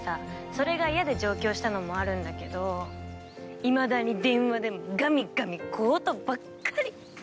それが嫌で上京したのもあるんだけどいまだに電話でもガミガミ小言ばっかり。